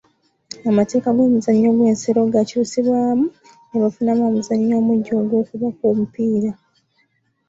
Amateeka g’omuzannyo gw’ensero gaakyusibwamu ne bafunamu omuzannyo omuggya ogw’okubaka omupiira.